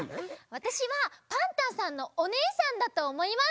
わたしはパンタンさんのおねえさんだとおもいます。